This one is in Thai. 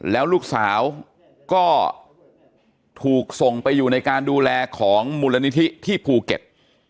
แล้วลูกสาวก็ถูกส่งไปอยู่ในการดูแลของมูลนิธิที่ภูเก็ต